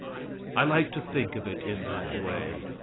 I like to think of it in that way.